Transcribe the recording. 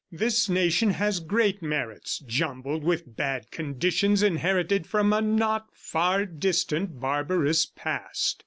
"This nation has great merits jumbled with bad conditions inherited from a not far distant, barbarous past.